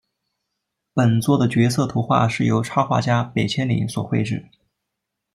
本作的角色图画是由插画家北千里所绘制。